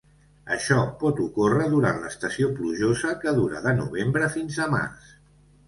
Això pot ocórrer durant l'estació plujosa que dura de novembre fins a març.